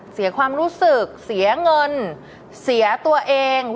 เสียความรู้สึกเสียเงินเสียตัวเอง